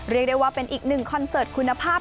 เรียกได้ว่าเป็นอีกหนึ่งคอนเสิร์ตคุณภาพ